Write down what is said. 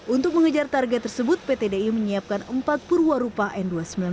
untuk mengejar target tersebut pt di menyiapkan empat purwarupa n dua ratus sembilan belas